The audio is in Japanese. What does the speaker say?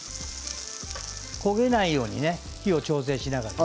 焦げないようにね火を調整しながら。